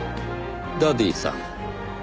ダディさん。